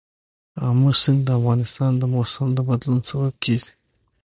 آمو سیند د افغانستان د موسم د بدلون سبب کېږي.